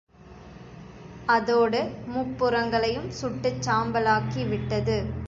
அதோடு முப்புரங்களையும் சுட்டுச் சாம்பலாக்கிவிட்டது.